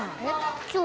今日。